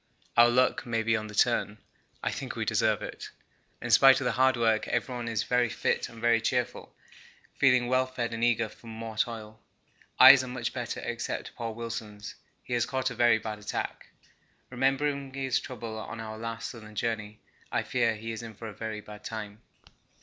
Our luck may be on the turn I think we deserve it. In spite of the hard work everyone is very fit and very cheerful, feeling well fed and eager for more toil. Eyes are much better except poor Wilson's; he has caught a very bad attack. Remembering his trouble on our last Southern journey, I fear he is in for a very bad time.